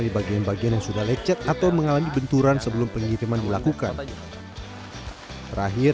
di bagian bagian yang sudah lecet atau mengalami benturan sebelum pengiriman dilakukan terakhir